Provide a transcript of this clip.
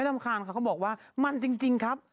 รำคาญค่ะเขาบอกว่ามันจริงครับ